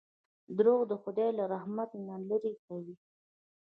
• دروغ د خدای له رحمت نه لرې کوي.